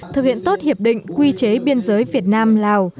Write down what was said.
thực hiện tốt hiệp định quy chế biên giới việt nam lào